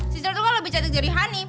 sisil tuh kan lebih cantik dari honey